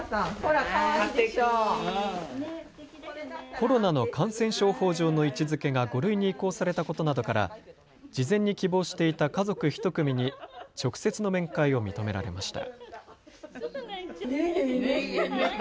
コロナの感染症法上の位置づけが５類に移行されたことなどから事前に希望していた家族一組に直接の面会を認められました。